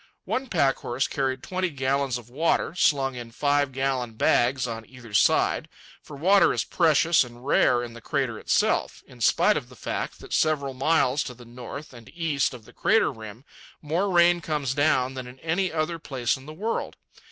One packhorse carried twenty gallons of water, slung in five gallon bags on either side; for water is precious and rare in the crater itself, in spite of the fact that several miles to the north and east of the crater rim more rain comes down than in any other place in the world.